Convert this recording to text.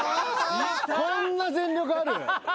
こんな全力ある？